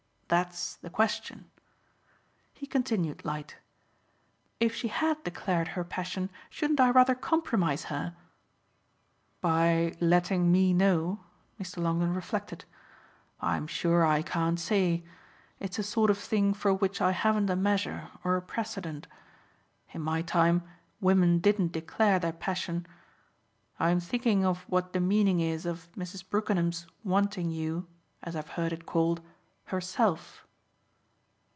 That's the question." He continued light. "If she had declared her passion shouldn't I rather compromise her ?" "By letting me know?" Mr. Longdon reflected. "I'm sure I can't say it's a sort of thing for which I haven't a measure or a precedent. In my time women didn't declare their passion. I'm thinking of what the meaning is of Mrs. Brookenham's wanting you as I've heard it called herself."